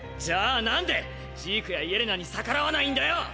⁉じゃあ何で⁉ジークやイェレナに逆らわないんだよ